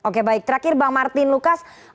oke baik terakhir bang martin lukas